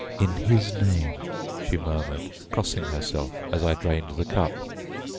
"In His name," she murmured, crossing herself as I drained the cup.